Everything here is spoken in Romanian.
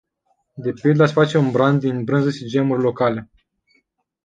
De pildă, aș face un brand din brânza și gemurile locale.